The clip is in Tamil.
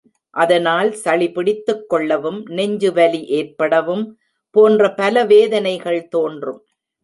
அதனால் சளி பிடித்துக் கொள்ளவும், நெஞ்சு வலி ஏற்படவும் போன்ற பல வேதனைகள் தோன்றும்.